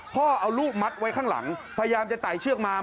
เอาลูกมัดไว้ข้างหลังพยายามจะไต่เชือกมา